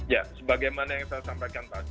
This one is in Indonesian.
ya sebagaimana yang saya sampaikan tadi